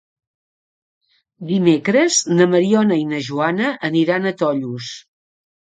Dimecres na Mariona i na Joana aniran a Tollos.